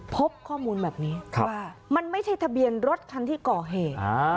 พบข้อมูลแบบนี้ว่ามันไม่ใช่ทะเบียนรถคันที่ก่อเหตุ